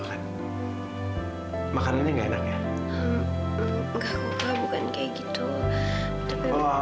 dan sekarang fadil mohon tante mau ikut sama fadil